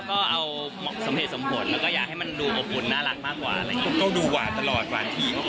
ก็เอาสมเหตุสมฝนและก็อยากให้มันดูอบอุ๋นน่ารักมากกว่า